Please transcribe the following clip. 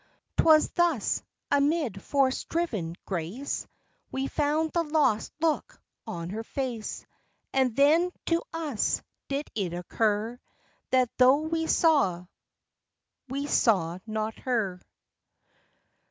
'Twas thus, amid force driven grace, We found the lost look on her face; And then, to us, did it occur That, though we saw we saw not her.